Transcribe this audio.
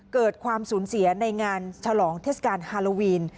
เกิดความสูญเสียในงานฉลองเทศกาลฮาโลวีน